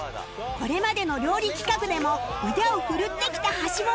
これまでの料理企画でも腕を振るってきた橋本